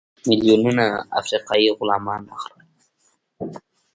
میلیونونه افریقایي غلامان راغلل.